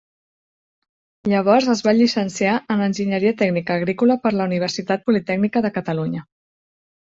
Llavors es va llicenciar en Enginyeria Tècnica Agrícola per la Universitat Politècnica de Catalunya.